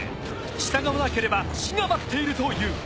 従わなければ死が待っているという。